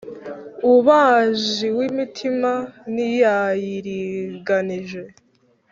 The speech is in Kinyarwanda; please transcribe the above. Umubaji w’imitima ntiyayiringanije